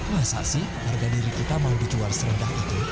masa sih harga diri kita mau dijual serendah itu